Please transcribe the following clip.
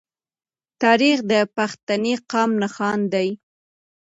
تاریخ د پښتني قام نښان دی.